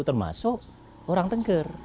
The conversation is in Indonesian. termasuk orang tengger